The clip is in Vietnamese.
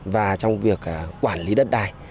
và trong việc quản lý đất đài